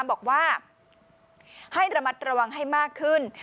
บอกว่าให้ระมัดระวังให้มากขึ้น